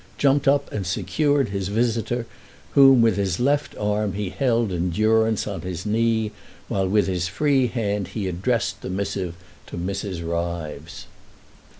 jumped up and secured his visitor, whom with his left arm he held in durance on his knee while with his free hand he addressed the missive to Mrs. Ryves.